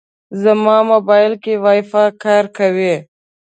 زما موبایل کې وايفای کار کوي.